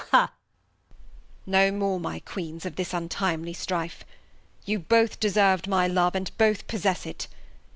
Gon. Ha! Bast. No more, my Queen's, of this untimely Strife, You both deserv'd my Love, and both possest it.